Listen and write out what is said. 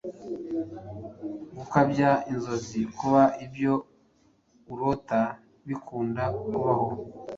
Gukabya inzozi: kuba ibyo urota bikunda kubaho.